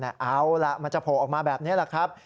เอาล่ะมันจะโผล่ออกมาแบบนี้แหละครับ